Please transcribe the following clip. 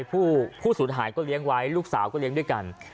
ผู้สูญหายก็เลี้ยงไว้ลูกสาวก็เลี้ยงด้วยกัน